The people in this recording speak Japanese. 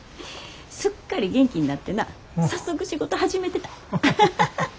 すっかり元気になってな早速仕事始めてた。